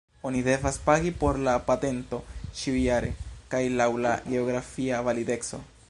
Oni devas pagi por la patento ĉiujare kaj laŭ la geografia valideco.